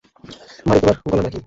মারি, তোমার গলা না কি?